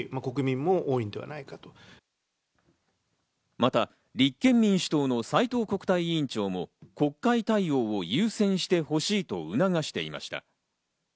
また立憲民主党の斎藤国対委員長も国会対応を優先してほしいと促していました。